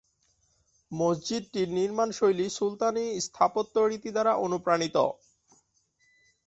মসজিদটির নির্মাণ শৈলী সুলতানি স্থাপত্য রীতি দ্বারা অনুপ্রাণিত।